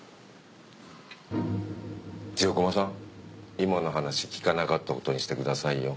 今の話聞かなかったことにしてくださいよ。